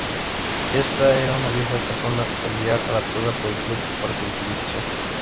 Esta, era una vieja casona familiar adaptada por el club para su utilización.